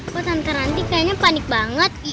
bu tante ranti kayaknya panik banget